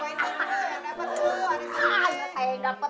wah itu tuh yang dapet